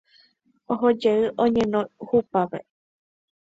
Ohojey oñeno hupápe.